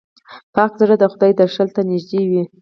پاک زړه د خدای درشل ته نږدې وي.